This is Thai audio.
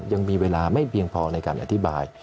ยังมีเวลาไม่เพียงพอในการอธิบาย